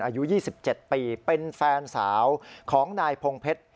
อายุ๒๗ปีเป็นแฟนสาวของนายพงเพชร